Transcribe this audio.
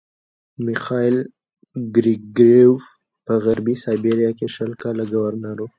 میخایل ګریګورویوف په غربي سایبیریا کې شل کاله ګورنر وو.